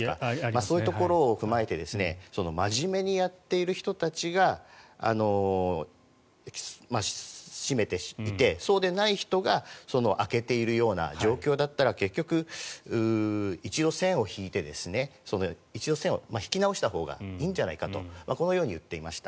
そういうところを踏まえてまじめにやっている人たちが閉めていてそうでない人が開けているような状況だったら結局、一度、線を引いて一度線を引き直したほうがいいんじゃないかとこのように言っていました。